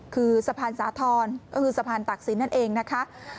คือสะพานสาธรณ์ก็คือสะพานตักศิลป์นั่นเองนะคะ